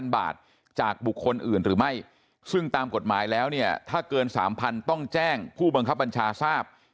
จากบุคคลอื่นหรือไม่ซึ่งตามกฎหมายแล้วเนี่ยถ้าเกิน๓๐๐๐ต้องแจ้งผู้บังคับบัญชาทราบ